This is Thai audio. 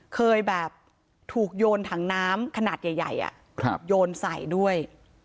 เคยแบบถูกโยนถังน้ำขนาดใหญ่ใหญ่อะครับโยนใส่ด้วย